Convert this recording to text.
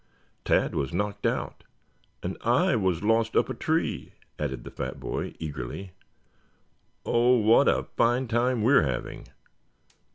Tad was knocked out and I was lost up a tree," added the fat boy eagerly. "Oh, what a fine time we're having!"